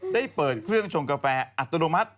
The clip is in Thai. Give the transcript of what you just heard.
ได้เปิดเครื่องชงกาแฟอัตโนมัติ